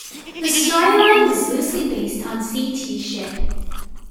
The storyline was loosely based on "Seetee Ship".